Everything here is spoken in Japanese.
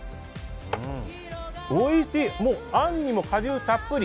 おいしい、あんにも果汁たっぷり。